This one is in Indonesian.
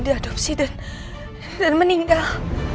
diadopsi dan meninggal